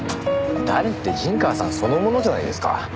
誰って陣川さんそのものじゃないですか。